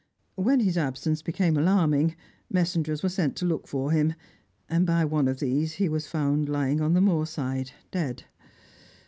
When his absence became alarming, messengers were sent to look for him, and by one of these he was found lying on the moorside, dead.